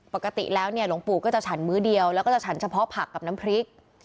ปกติแล้วเนี่ยหลวงปู่ก็จะฉันมื้อเดียวแล้วก็จะฉันเฉพาะผักกับน้ำพริก